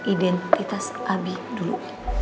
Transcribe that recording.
identitas abi dulu